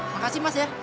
makasih mas ya